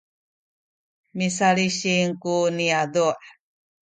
misalisin ku niyazu’